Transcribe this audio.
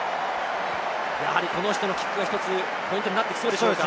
やはり、この人のキックが１つポイントになってきそうですか？